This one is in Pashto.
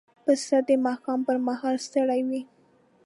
پسه د ماښام پر مهال ستړی وي.